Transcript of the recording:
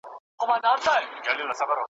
په نغمه کي به شرنګېږم لکه ومه ,